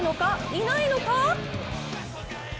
いないのか？